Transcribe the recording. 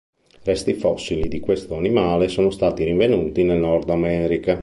Resti fossili di questo animale sono stati rinvenuti nel Nord America.